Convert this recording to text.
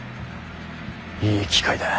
いい機会だ。